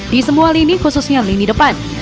di semua lini khususnya lini depan